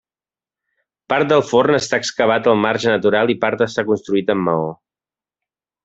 Part del forn està excavat al marge natural i part està construït amb maó.